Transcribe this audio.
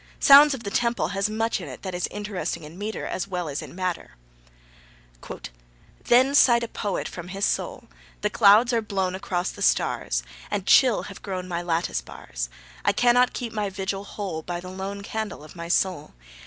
Sounds of the Temple has much in it that is interesting in metre as well as in matter: Then sighed a poet from his soul: 'The clouds are blown across the stars, And chill have grown my lattice bars; I cannot keep my vigil whole By the lone candle of my soul.